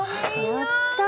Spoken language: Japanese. やった！